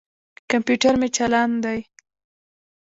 کمپیوټر مې چالاند دي.